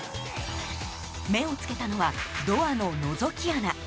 目をつけたのはドアの、のぞき穴。